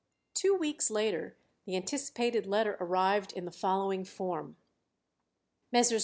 Two weeks later the anticipated letter arrived in the following form: MESSRS.